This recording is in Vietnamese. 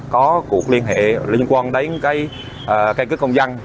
có cuộc liên hệ liên quan đến cái căn cứ công dân